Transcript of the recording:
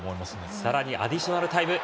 さらにアディショナルタイム。